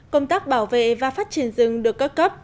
công tác bảo vệ và phát triển rừng được cấp cấp